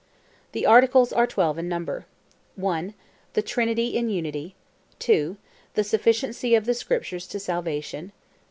The articles are twelve in number:—1. The Trinity in Unity; 2. The Sufficiency of the Scriptures to Salvation; 3.